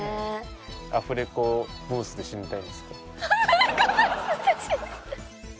「アフレコブースで死にたい？」。